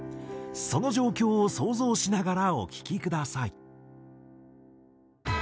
その状況を想像しながらお聴きください。